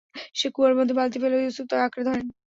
সে কুয়ার মধ্যে বালতি ফেললে ইউসুফ তা আঁকড়ে ধরেন।